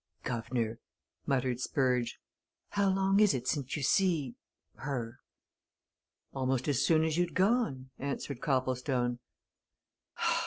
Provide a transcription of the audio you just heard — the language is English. "Guv'nor!" muttered Spurge, "How long is it since you see her?" "Almost as soon as you'd gone," answered Copplestone.